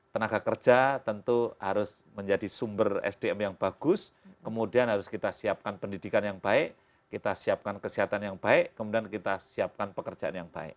tenaga kerja tentu harus menjadi sumber sdm yang bagus kemudian harus kita siapkan pendidikan yang baik kita siapkan kesehatan yang baik kemudian kita siapkan pekerjaan yang baik